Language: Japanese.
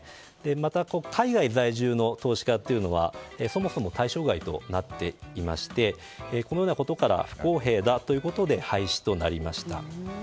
また海外在住の投資家というのはそもそも対象外となっていましてこのようなことから不公平だということで廃止となりました。